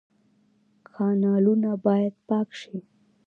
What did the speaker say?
کانالونه باید پاک شي